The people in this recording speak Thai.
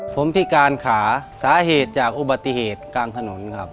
ผมพิการขาสาเหตุจากอุบัติเหตุกลางถนนครับ